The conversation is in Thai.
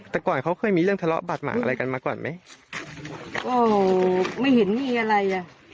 แต่ก่อนเขาเคยมีเรื่องทะเลาะบาดหมางอะไรกันมาก่อนไหมโอ้ไม่เห็นมีอะไรอ่ะ